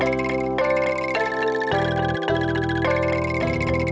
jangan secara terakhir